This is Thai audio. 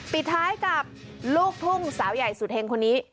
ปิดท้ายกับลูกทุ่งสาวใหญ่สุดเฮงคนนี้